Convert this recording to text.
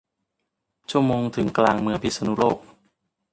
ชั่วโมงถึงกลางเมืองพิษณุโลก